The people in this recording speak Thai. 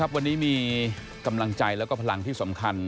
วันนี้มีกำลังใจแล้วก็พลังที่สำคัญ